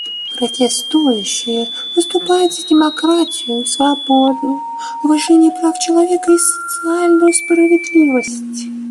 Протестующие выступают за демократию и свободу, уважение прав человека и социальную справедливость.